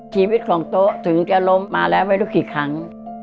ชีวิตของโต๊ะถึงจะล้มมาแล้วไม่รู้กี่ครั้ง